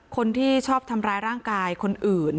คนที่ชอบทำร้ายร่างกายคนอื่น